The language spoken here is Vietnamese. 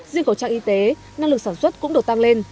riêng khẩu trang y tế năng lực sản xuất cũng được tăng lên